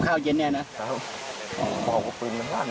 มากต้องปืนมันลั่นอยู่